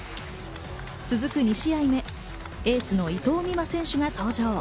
続く２試合目、エースの伊藤美誠選手が登場。